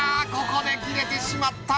ここで切れてしまった！